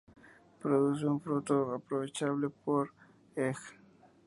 Produce un fruto aprovechable, por ej.